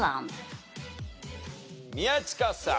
宮近さん。